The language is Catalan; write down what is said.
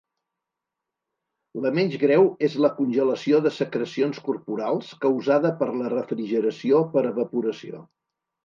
La menys greu és la congelació de secrecions corporals causada per la refrigeració per evaporació.